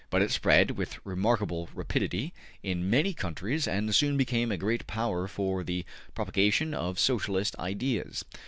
But it spread with remarkable rapidity in many countries and soon became a great power for the propagation of Socialist ideas.